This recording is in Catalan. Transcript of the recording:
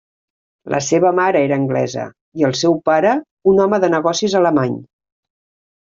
La seva mare era anglesa, i el seu pare un home de negocis alemany.